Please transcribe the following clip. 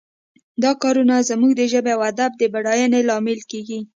دا کار زموږ د ژبې او ادب د بډاینې لامل کیږي